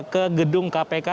ke gedung kpk